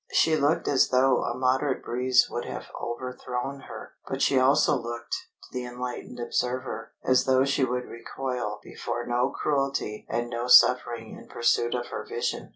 She looked as though a moderate breeze would have overthrown her, but she also looked, to the enlightened observer, as though she would recoil before no cruelty and no suffering in pursuit of her vision.